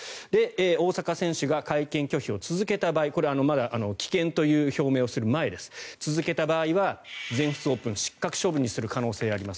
大坂選手が会見拒否を続けた場合これはまだ棄権という表明をする前です続けた場合は全仏オープンを失格処分にする可能性があります。